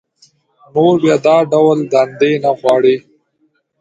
نور بيا دا ډول دندې نه غواړي